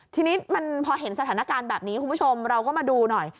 ทีนี้มันพอเห็นสถานการณ์แบบนี้คุณผู้ชมเราก็มาดูหน่อย